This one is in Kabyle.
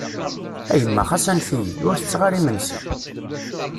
A yemma xas anef-iyi! Ur tettaɣ ara imensi.